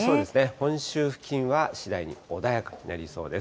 本州付近は次第に穏やかになりそうです。